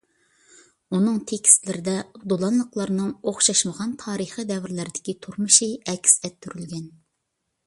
ئۇنىڭ تېكىستلىرىدە دولانلىقلارنىڭ ئوخشاشمىغان تارىخىي دەۋرلەردىكى تۇرمۇشى ئەكس ئەتتۈرۈلگەن.